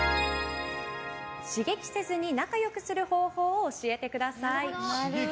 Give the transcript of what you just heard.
刺激せずに仲良くする方法を教えてください。